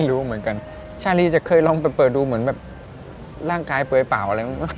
รู้เหมือนกันชาลีจะเคยลองไปเปิดดูเหมือนแบบร่างกายเปลือยเปล่าอะไร